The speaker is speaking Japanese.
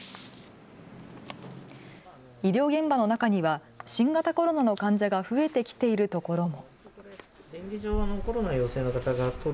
医療現場の中には新型コロナの患者が増えてきているところも。